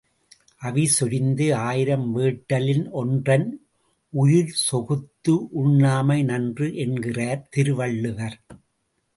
அவிசொரிந்து ஆயிரம் வேட்டலின் ஒன்றன் உயிர்செகுத்து உண்ணாமை நன்று என்கிறார் திருவள்ளுவர்.